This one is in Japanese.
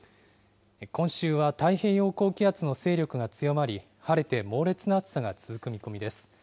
今週は太平洋高気圧の勢力が強まり、晴れて猛烈な暑さが続く見込みです。